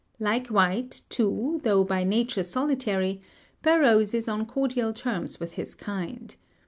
Like White, too, though by nature solitary, Burroughs is on cordial terms with his kind.